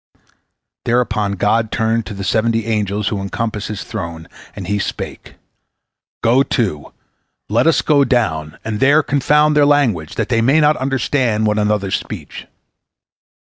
Thereupon God turned to the seventy angels who encompass His throne, and He spake: "Go to, let us go down, and there confound their language, that they may not understand one another's speech."